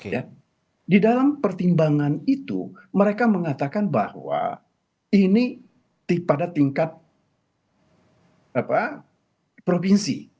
ya di dalam pertimbangan itu mereka mengatakan bahwa ini pada tingkat provinsi